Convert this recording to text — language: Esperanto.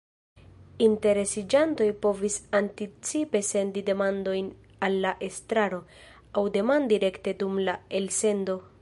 Interesiĝantoj povis anticipe sendi demandojn al la estraro, aŭ demandi rekte dum la elsendo.